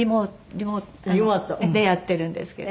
リモート。でやってるんですけど。